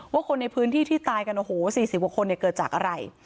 ว่าคนในพื้นที่ที่ตายกันโอ้โห๔๐บาทคนเนี่ยเกิดจากอะไร